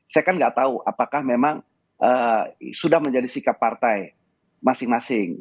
saya kan nggak tahu apakah memang sudah menjadi sikap partai masing masing